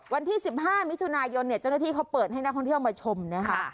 วันที่๑๕มิถุนายนเนี่ยเจ้าหน้าที่เขาเปิดให้นักท่องเที่ยวมาชมนะคะ